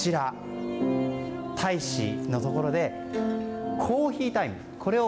大使のところで、コーヒータイム。